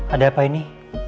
ada apa ini